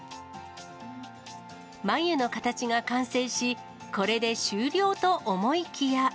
眉の形が完成し、これで終了と思いきや。